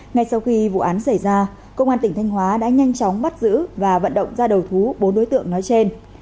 ngay sau khi vụ án xảy ra công an tỉnh thanh hóa đã nhanh chóng bắt giữ và vận động ra đầu thú bốn đối tượng nói trên